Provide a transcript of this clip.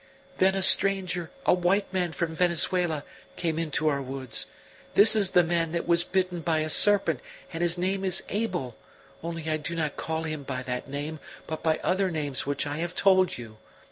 "Then a stranger, a white man from Venezuela, came into our woods: this is the man that was bitten by a serpent, and his name is Abel; only I do not call him by that name, but by other names which I have told you.